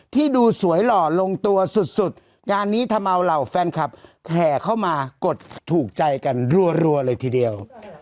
ที่ดูสวยเหล่าลงตัวสุดแถมอ่าวเหล่าแฟนคาพแถเข้ามากดถูกใจกันรัวเลยทีเดียว